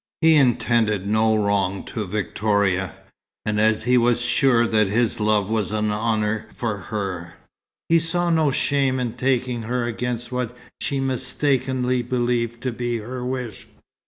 He intended no wrong to Victoria, and as he was sure that his love was an honour for her, he saw no shame in taking her against what she mistakenly believed to be her wish.